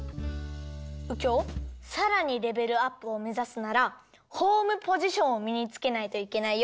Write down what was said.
うきょうさらにレベルアップをめざすならホームポジションをみにつけないといけないよ。